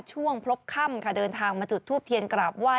เทียนทองค่ะเดินทางมาจุดทูบเทียนกราบว่า